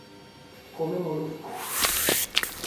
Come moluscos.